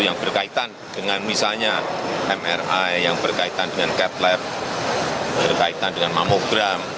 yang berkaitan dengan misalnya mri yang berkaitan dengan cat lab berkaitan dengan mamogram